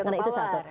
karena itu satu